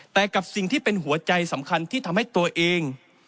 แต่กับสิ่งที่เป็นหัวใจสำคัญที่ทำให้ตัวเอง